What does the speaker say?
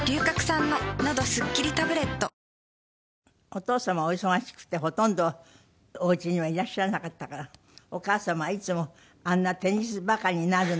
お父様はお忙しくてほとんどおうちにはいらっしゃらなかったからお母様はいつも「あんなテニスバカになるな」